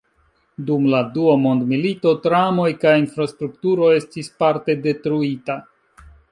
Dum la Dua Mondmilito, tramoj kaj infrastrukturo estis parte detruita.